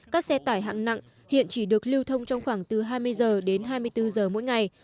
các xe tải hạng nặng hiện chỉ được lưu thông trong khoảng từ hai mươi h đến hai mươi bốn giờ mỗi ngày